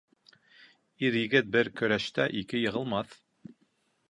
Ир-егет бер көрәштә ике йығылмаҫ.